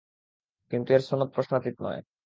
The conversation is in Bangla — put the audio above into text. কিন্তু এর সনদ প্রশ্নাতীত নয়।